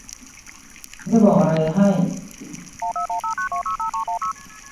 ฉันจะบอกอะไรให้